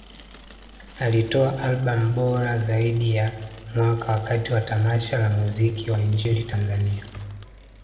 Alitoa Albam bora zaidi ya Mwaka wakati wa tamasha la Muziki wa Injili Tanzania